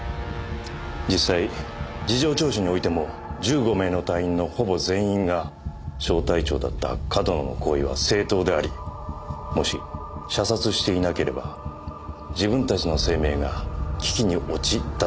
実際事情聴取においても１５名の隊員のほぼ全員が小隊長だった上遠野の行為は正当でありもし射殺していなければ自分たちの生命が危機に陥ったと供述しました。